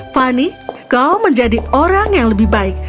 fani kau menjadi orang yang lebih baik